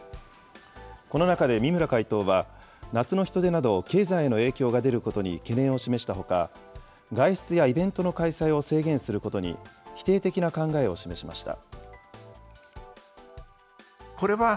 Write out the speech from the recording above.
この中で三村会頭は、夏の人出など、経済への影響が出ることに懸念を示したほか、外出やイベントの開催を制限することに否定的な考えを示しました。